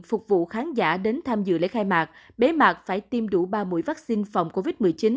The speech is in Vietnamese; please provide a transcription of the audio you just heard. phục vụ khán giả đến tham dự lễ khai mạc bế mạc phải tiêm đủ ba mũi vaccine phòng covid một mươi chín